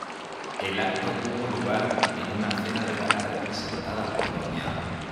El acto tuvo lugar en una Cena de Gala presentada por Dña.